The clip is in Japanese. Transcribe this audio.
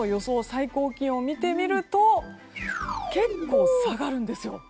最高気温を見てみると結構下がるんですよ。